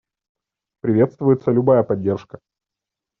Приветствуется любая поддержка.